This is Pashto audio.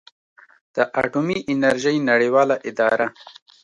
د اټومي انرژۍ نړیواله اداره